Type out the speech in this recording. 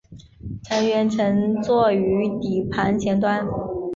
乘员乘坐于底盘前端。